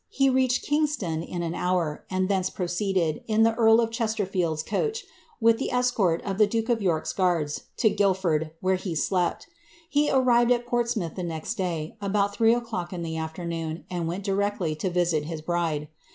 He reached Kingston and thence proceeded, in the earl of Chesterfield's coach, cort of the duke of York's guards, to Guildford, where he irrived at Portsmouth the next day, about three o'clock in n, and went directly to visit his bride.